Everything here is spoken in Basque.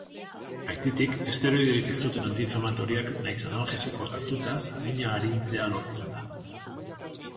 Aitzitik, esteroiderik ez duten antiinflamatorioak nahiz analgesikoak hartuta mina arintzea lortzen da.